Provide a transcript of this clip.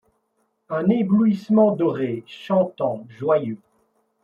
Un éblouissement doré, chantant, joyeux